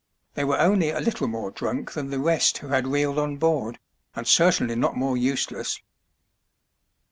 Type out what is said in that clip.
They were only a little more drunk than the rest who had reeled on board, and certainly not more useless.